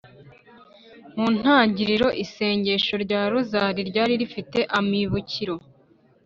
mu ntangiriro, isengesho rya rozali ryari rifite amibukiro